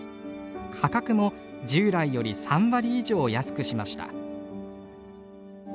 価格も従来より３割以上安くしました。